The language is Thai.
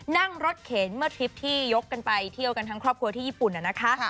นั่งรถเข็นเมื่อทริปที่ยกกันไปเที่ยวกันทั้งครอบครัวที่ญี่ปุ่นนะคะ